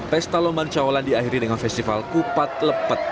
pesta lomban cawalan diakhiri dengan festival kupat lepet